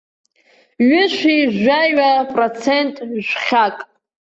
Ҩышәи жәаҩа процент, жәхьак.